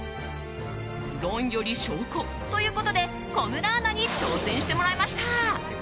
論より証拠ということで小室アナに挑戦してもらいました。